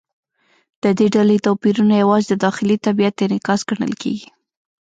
د دې ډلې توپیرونه یوازې د داخلي طبیعت انعکاس ګڼل کېږي.